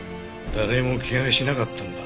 誰も怪我しなかったんだ。